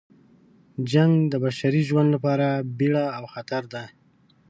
جنګ د بشري ژوند لپاره بیړه او خطر ده.